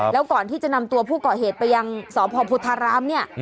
แล้วก่อนที่จะนำตัวผู้ก่อเหตุไปยังสพพุทธารามเนี่ย